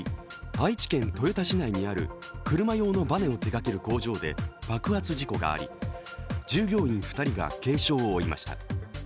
愛知県豊田市内にある車用のバネを手がける工場で爆発事故があり従業員２人が軽傷を負いました。